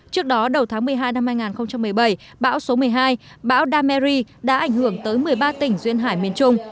trước đó đầu tháng một mươi hai năm hai nghìn một mươi bảy bão số một mươi hai bão dameri đã ảnh hưởng tới một mươi ba tỉnh duyên hải miền trung